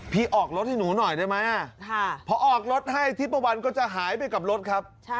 พอออกรถให้ทิปวันก็จะหายไปกลับรถครับ